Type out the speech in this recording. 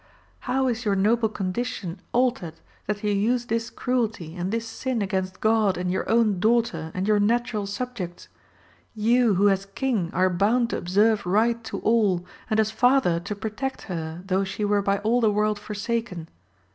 How is your noble condition altered, that you use this cruelty and this sin against God and your own daugh ter and your natural subjects ! you who as king are bound to observe right to all, and as father to protect her though she were by all the world forsaken.